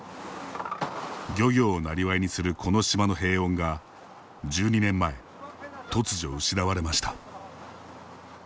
漁業をなりわいにするこの島の平穏が１２年前、突如失われました。